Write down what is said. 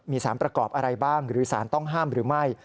มีสารประกอบอะไรบ้างหรือสารต้องห้ามหรือไม่